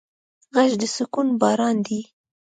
غږ د سکون باران دی